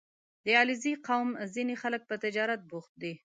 • د علیزي قوم ځینې خلک په تجارت بوخت دي.